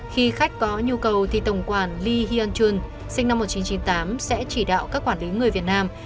khi khách có nhu cầu thì tổng quản lee hyun jun sinh năm một nghìn chín trăm chín mươi tám sẽ chỉ đạo các quản lý người việt nam